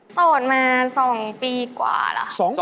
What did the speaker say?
โสดมา๒ปีกว่าหรอกค่ะ